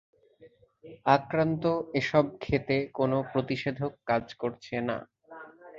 আক্রান্ত এসব খেতে কোনো প্রতিষেধক কাজ করছে না।